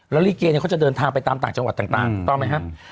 แล้วลิเกเนี่ยเขาจะเดินทางไปตามต่างจังหวัดต่างถูกต้องไหมครับ